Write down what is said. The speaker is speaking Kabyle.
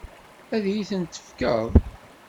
Ad iyi-tent-tefkeḍ?